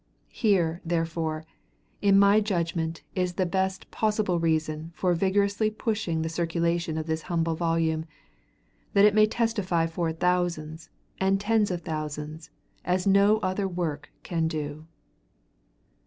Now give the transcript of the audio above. Here, therefore, in my judgment is the best possible reason for vigorously pushing the circulation of this humble volume that it may testify for thousands and tens of thousands, as no other work can do.